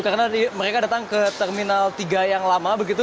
karena mereka datang ke terminal tiga yang lama begitu